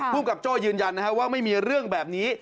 กับโจ้ยืนยันว่าไม่มีเรื่องแบบนี้